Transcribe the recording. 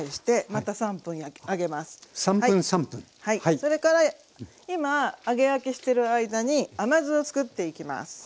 それから今揚げ焼きしてる間に甘酢をつくっていきます。